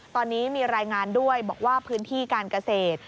ตอนนี้มีรายงานด้วยบอกว่าพื้นที่การเกษตร